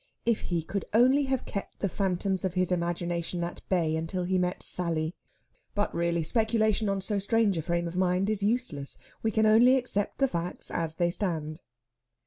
If he could only have kept the phantoms of his imagination at bay until he met Sally! But, really, speculation on so strange a frame of mind is useless; we can only accept the facts as they stand.